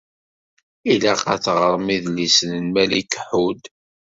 Ilaq ad teɣṛem idlisen n Malek Ḥud.